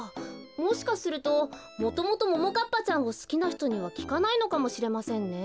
もしかするともともとももかっぱちゃんをすきなひとにはきかないのかもしれませんね。